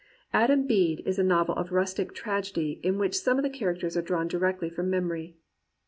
Adam Bede is a novel of rustic tragedy in which some of the characters are drawn directly from memory.